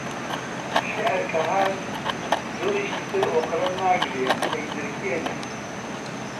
شیعر کە هات دڵیش ئیتر ئۆقرە ناگرێ، ئەیدرکێنێ